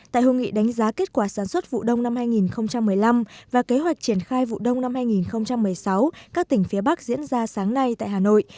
tại hội nghị đánh giá kết quả sản xuất vụ đông năm hai nghìn một mươi năm và kế hoạch triển khai vụ đông năm hai nghìn một mươi sáu các tỉnh phía bắc diễn ra sáng nay tại hà nội